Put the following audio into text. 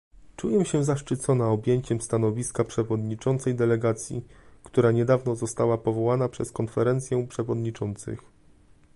Czuję się zaszczycona objęciem stanowiska przewodniczącej delegacji, która niedawno została powołana przez Konferencję Przewodniczących